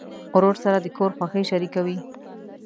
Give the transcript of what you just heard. ورور سره د کور خوښۍ شریکوي.